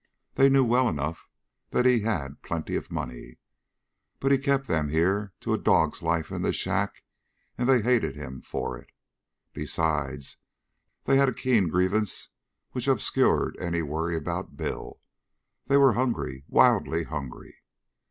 They knew well enough that he had plenty of money, but he kept them here to a dog's life in the shack, and they hated him for it. Besides, they had a keen grievance which obscured any worry about Bill they were hungry, wildly hungry.